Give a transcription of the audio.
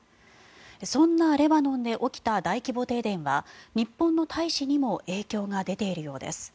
そんなレバノンで起きた大規模停電は日本の大使にも影響が出ているようです。